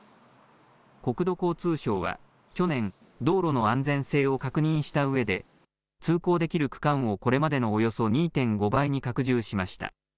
国土交通省は去年、道路の安全性を確認したうえで通行できる区間をこれまでのおよそ２．５倍に拡充しました。